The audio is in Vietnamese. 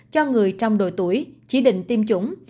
cho người trong đội tuổi chỉ định tiêm chủng